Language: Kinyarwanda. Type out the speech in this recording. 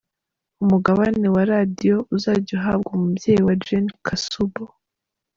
Umugabane wa Radio uzajya uhabwa umubyeyi we Jane Kasubo.